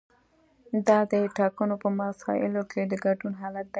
دا د ټاکنو په مسایلو کې د ګډون حالت دی.